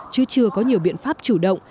chứ chưa có nhiều biện pháp chủ động